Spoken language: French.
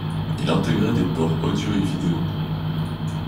Il intégrait des ports audio et vidéo.